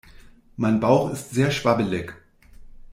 Mein Bauch ist sehr schwabbelig.